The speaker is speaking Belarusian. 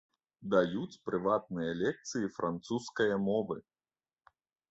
Даюць прыватныя лекцыі французскае мовы.